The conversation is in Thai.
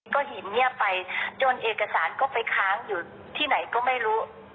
ก็หินเงียบไปจนเอกสารก็ไปค้างอยู่ที่ไหนก็ไม่รู้